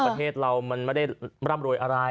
ประเทศเรามันไม่ได้ร่ำรวยอะไร